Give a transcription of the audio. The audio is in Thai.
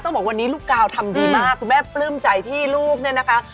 บอกวันนี้ลูกกาวทำดีมากคุณแม่ปลื้มใจที่ลูกเนี่ยนะคะ